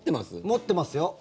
持ってますよ。